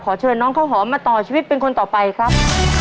เชิญน้องข้าวหอมมาต่อชีวิตเป็นคนต่อไปครับ